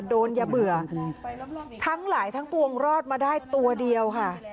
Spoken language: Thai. อย่าเบื่อทั้งหลายทั้งปวงรอดมาได้ตัวเดียวค่ะ